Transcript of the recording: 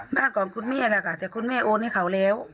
มากกว่าคุณแม่แหละค่ะแต่คุณแม่โอนให้เขาแล้ว